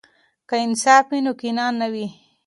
که انصاف وي، نو کینه نه وي.